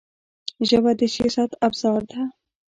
ژبه د سیاست ابزار ده